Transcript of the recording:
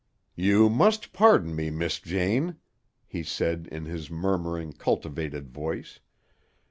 "You must pardon me, Miss Jane," he said in his murmuring, cultivated voice.